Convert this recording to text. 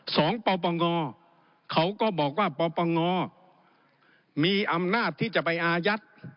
ปปงเขาก็บอกว่าปปงมีอำนาจที่จะไปอายัด